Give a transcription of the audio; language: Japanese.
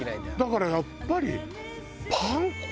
だからやっぱり。